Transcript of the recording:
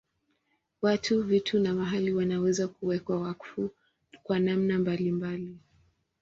Watu, vitu na mahali wanaweza kuwekwa wakfu kwa namna mbalimbali.